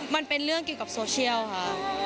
มันเป็นเรื่องเกี่ยวกับโซเชียลค่ะ